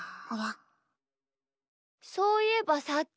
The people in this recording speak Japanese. そういえばさっき。